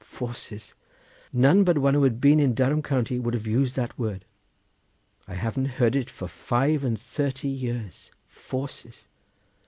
Forces! none but one who had been in Durham county would have used that word. I haven't heard it for five and thirty years. Forces!